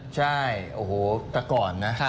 ใช่โอ้โหแต่ก่อนนะ